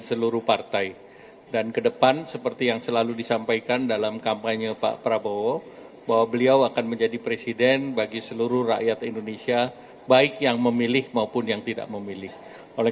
erlangga mengatakan golkar tak keberatan dengan masuknya anggota baru koalisi pendukung prabowo